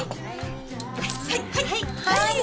はい。